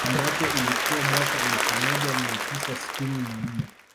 Ambapo ilikuwa mwaka elfu moja mia tisa sitini na nne